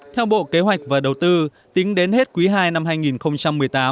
theo bộ kế hoạch và đầu tư tính đến hết quý ii năm hai nghìn một mươi tám